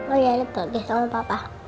oh ya lepuk deh sama papa